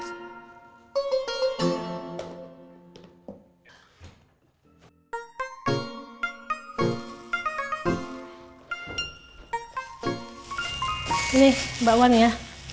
ini bawaan ya